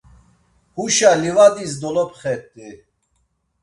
Huşa livadis dolopxet̆i.